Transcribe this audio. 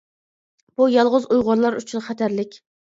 بۇ يالغۇز ئۇيغۇرلار ئۈچۈن خەتەرلىك.